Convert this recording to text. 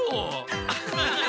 アハハハ！